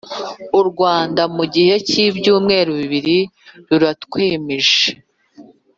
u rwanda mu gihe cy’ibyumweru bibiri, rura twemeje